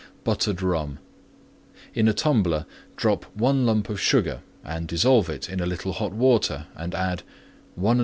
BUTTERED RUM In a Tumbler drop 1 lump of Sugar and dissolve it in a little hot Water, and add: 1 1/4 Jiggers Rum.